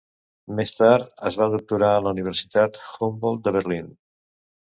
Més tard, es va doctorar a la Universitat Humboldt de Berlín.